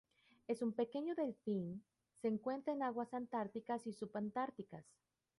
Es un pequeño delfín se encuentra en aguas antárticas y subantárticas.